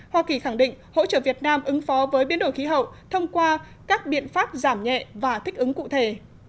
hoa kỳ khẳng định hỗ trợ việt nam ứng phó với biến đổi khí hậu thông qua các biện pháp giảm nhẹ và thích ứng cụ thể